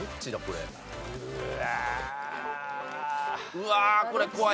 うわあこれ怖い！